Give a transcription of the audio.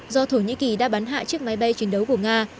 do thổ nhĩ kỳ đã bắn hạ chiếc máy bay chiến đấu của nga